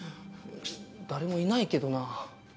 誰もいないけどな。